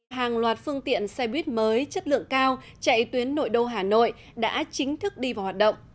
hàng loạt phương tiện xe buýt mới chất lượng cao chạy tuyến nội đô hà nội đã chính thức đi vào hoạt động